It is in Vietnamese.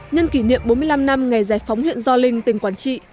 nhân kỷ niệm bốn mươi năm năm ngày giải phóng huyện gio linh tỉnh quảng trị